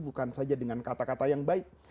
bukan saja dengan kata kata yang baik